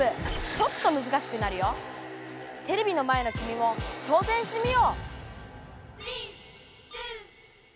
ちょっとテレビの前のきみも挑戦してみよう！